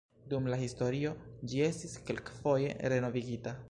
Dum la historio ĝi estis kelkfoje renovigita.